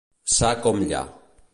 Ça com lla.